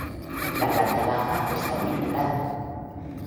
La planta baja está unificada.